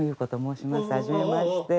初めまして。